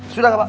sudah gak pak